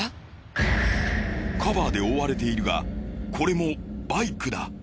カバーで覆われているがこれもバイクだ。